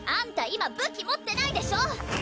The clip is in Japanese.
今武器持ってないでしょ